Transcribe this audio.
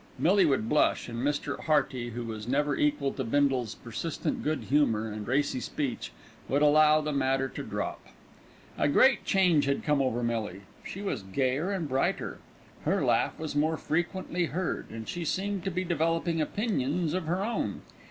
Millie would blush, and Mr. Hearty, who was never equal to Bindle's persistent good humour and racy speech, would allow the matter to drop. A great change had come over Millie. She was gayer and brighter, her laugh was more frequently heard, and she seemed to be developing opinions of her own.